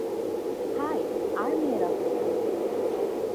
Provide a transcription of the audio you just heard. High, আর মেয়েরা কোথায়?